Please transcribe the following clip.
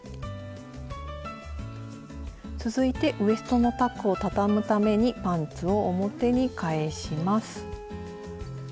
続いてウエストのタックをたたむためにパンツを表に返します。